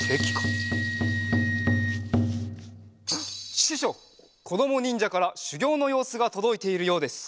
ししょうこどもにんじゃからしゅぎょうのようすがとどいているようです。